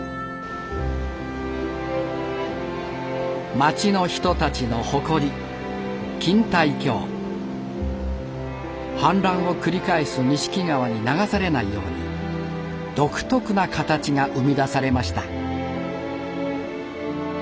町の人たちの誇り氾濫を繰り返す錦川に流されないように独特な形が生み出されました。